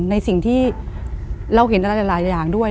ในสิ่งที่เราเห็นอะไรหลายอย่างด้วย